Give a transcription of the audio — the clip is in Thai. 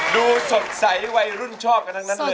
ดูสดใสวัยรุ่นชอบกันทั้งนั้นเลย